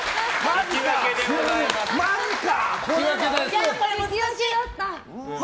マジか！